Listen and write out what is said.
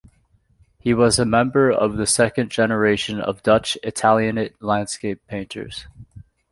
He was a member of the second generation of "Dutch Italianate landscape" painters.